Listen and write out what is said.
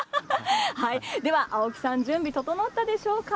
では青木さん準備整ったでしょうか。